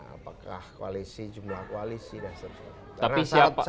apakah koalisi jumlah koalisi dan sebagainya